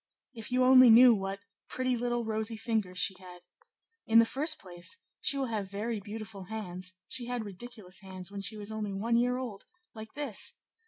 If you only knew what pretty little rosy fingers she had! In the first place, she will have very beautiful hands; she had ridiculous hands when she was only a year old; like this!